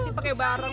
mati pakai bareng